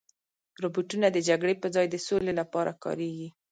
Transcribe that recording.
روبوټونه د جګړې په ځای د سولې لپاره کارېږي.